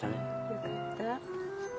よかった。